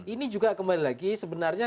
ini juga kembali lagi sebenarnya